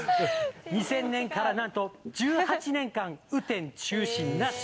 ２０００年からなんと１８年間、雨天中止なし。